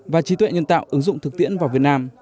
và trí tuệ nhân tạo ứng dụng thực tiễn vào việt nam